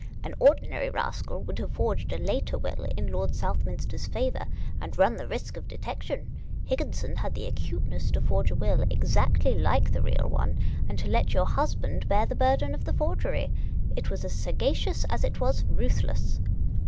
" All ordinary rascal would have forged a later will in Lord Southniinster's favour and run the lisk of detection ; Higginson had the acuteness to forge a will exactly like the real one, and to let your husband bear the burden of the forgery. It was as sagacious as it was ruthless."